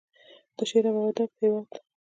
د شعر او ادب هیواد.